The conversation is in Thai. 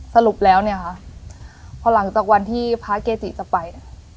สรุปแล้วเนี่ยค่ะพอหลังจากวันที่พระเกจิจะไปเนี่ย